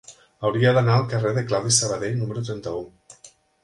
Hauria d'anar al carrer de Claudi Sabadell número trenta-u.